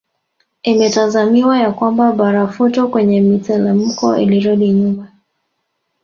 Imetazamiwa ya kwamba barafuto kwenye mitelemko ilirudi nyuma